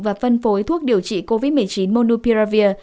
và phân phối thuốc điều trị covid một mươi chín monupiravir